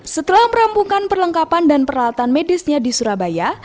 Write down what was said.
setelah merampungkan perlengkapan dan peralatan medisnya di surabaya